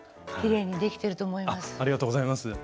きれいにできてると思います。